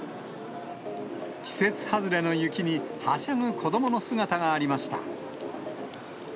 季節外れの雪にはしゃぐ子どもの姿がありました。